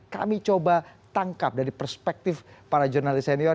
kami coba tangkap dari perspektif para jurnalis senior